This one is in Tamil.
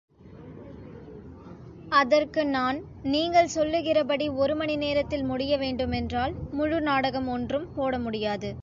அதற்கு நான், நீங்கள் சொல்லுகிறபடி ஒருமணி நேரத்தில் முடிய வேண்டுமென்றால், முழு நாடகம் ஒன்றும் போட முடியாது.